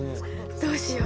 「どうしよう」